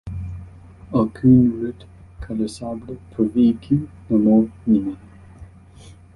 Aucune route carrossable pour véhicules normaux n'y mène.